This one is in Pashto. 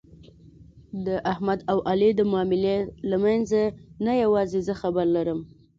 د احمد او علي د معاملې له منځ نه یووازې زه خبر لرم.